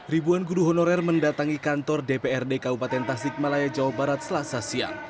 ribuan guru honorer mendatangi kantor dprd kabupaten tasik malaya jawa barat selasa siang